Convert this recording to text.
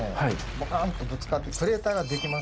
ボカーンとぶつかってクレーターができます。